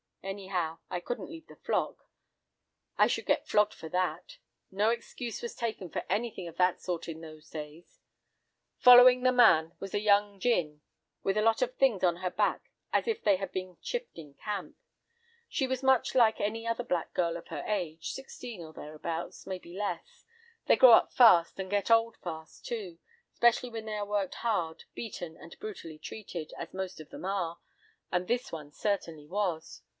Anyhow, I couldn't leave the flock. I should get flogged for that. No excuse was taken for anything of that sort in those days. Following the man was a young gin with a lot of things on her back as if they had been shifting camp. She was much like any other black girl of her age, sixteen or thereabouts, maybe less; they grow up fast and get old fast, too, specially when they are worked hard, beaten, and brutally treated, as most of them are, and this one certainly was.